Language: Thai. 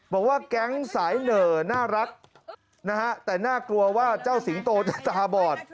บอกว่าแก๊งสายเหน่อน่ารักนะฮะแต่น่ากลัวว่าเจ้าสิงโตจะตาบอด